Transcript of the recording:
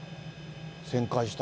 旋回した。